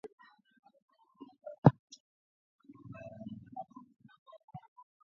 Magonjwa ya damu kutoganda